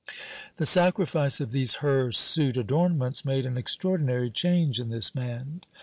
The sacrifice of these hirsute adornments made an extraordinary change in this man.